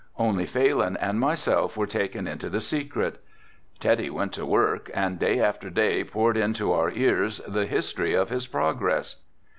Only Phalin and myself were taken into the secret. Teddy went to work and day after day poured into our ears the history of his progress.